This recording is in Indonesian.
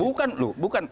bukan loh bukan